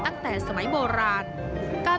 การไปดูสิ่งที่ไม่มีเดียวกันเพราะเป้าหมายใช้ภาพในหลากนะครับ